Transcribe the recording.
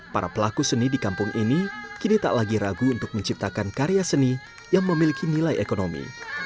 para pelaku seni di kampung ini kini tak lagi ragu untuk menciptakan karya seni yang memiliki nilai ekonomi